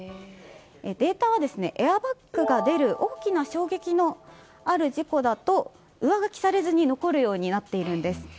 データはエアバッグが出る大きな衝撃のある事故だと上書きされずに残るようになっているんです。